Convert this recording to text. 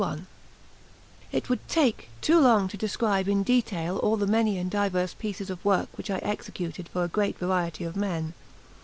XXXI IT would take too long to describe in detail all the many and divers pieces of work which I executed for a great variety of men.